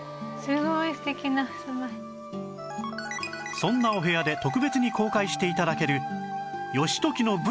そんなお部屋で特別に公開して頂ける義時の文書とは？